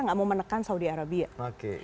gak mau menekan saudi arabia oke